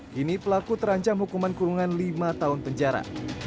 kini pelaku terancam hukuman kurungan lima tahun penjara